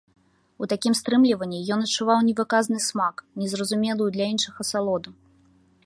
У такім стрымліванні ён адчуваў невыказны смак, незразумелую для іншых асалоду.